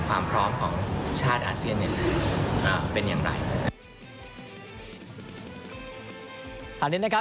ความพร้อมของชาติอาเซียนเนี่ยเป็นอย่างไร